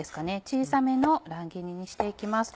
小さめの乱切りにして行きます。